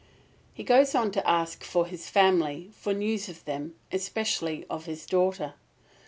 He goes on to ask for his family, for news of them, especially of his daughter.